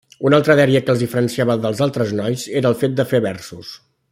Una altra dèria que el diferenciava dels altres nois era el fet de fer versos.